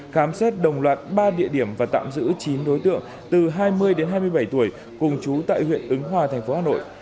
khám xét đồng loạt ba địa điểm và tạm giữ chín đối tượng từ hai mươi đến hai mươi bảy tuổi cùng chú tại huyện ứng hòa thành phố hà nội